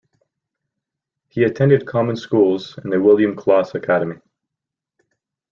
He attended common schools and the William Closs Academy.